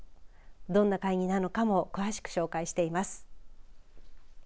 どんな会議なのかも詳しく紹介しています。